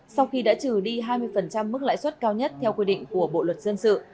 sau khi đã trừ đi hai mươi mức lãi suất cao nhất theo quy định của bộ luật dân sự